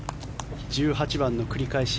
１８番の繰り返し。